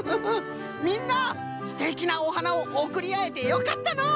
みんなすてきなおはなをおくりあえてよかったのう。